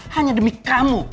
hanya demi kamu